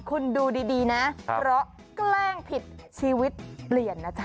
คุณดูดีนะเพราะแกล้งผิดชีวิตเปลี่ยนนะจ๊